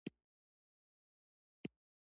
ممکن لوستونکي د بد اخلاقۍ په زمره کې وشمېري.